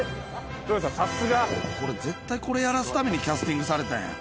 豊ノ島さん、さすが。これ絶対、これやらすためにキャスティングされたやん。